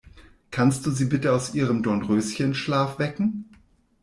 Kannst du sie bitte aus ihrem Dornröschenschlaf wecken?